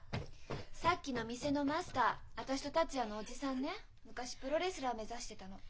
さっきの店のマスター私と達也の叔父さんね昔プロレスラー目指してたの。